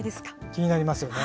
気になりますよね。